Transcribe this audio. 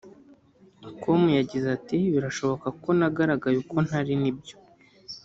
com yagize ati ”Birashoboka ko nagaragaye uko ntari nibyo